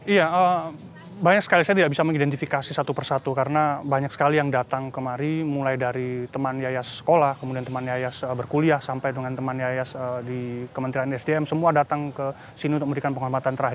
iya banyak sekali saya tidak bisa mengidentifikasi satu persatu karena banyak sekali yang datang kemari mulai dari teman yayas sekolah kemudian teman yayas berkuliah sampai dengan teman yayas di kementerian sdm semua datang ke sini untuk memberikan penghormatan terakhir